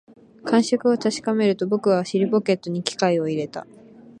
感触を確かめると、僕は尻ポケットに機械を入れた